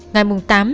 ngày tám tháng ba